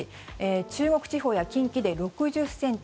中国地方や近畿で６０ｃｍ